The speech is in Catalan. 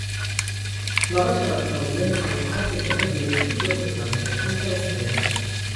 La baixa audiència va fer que el retiressin dues setmanes després de l'estrena.